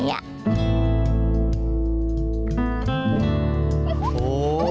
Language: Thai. โอ้โห